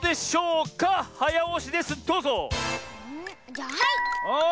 じゃあはい！